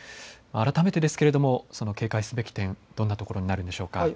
改めてですけれども警戒すべき点、どんなところになるでしょうか。